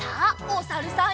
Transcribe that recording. おさるさん。